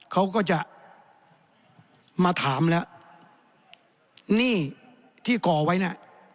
เขาก็จะมาถามแล้วหนี้ที่ก่อไว้น่ะ